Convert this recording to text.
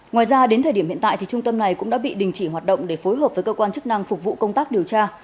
ngoài ra đến thời điểm hiện tại trung tâm này cũng đã bị đình chỉ hoạt động để phối hợp với cơ quan chức năng phục vụ công tác điều tra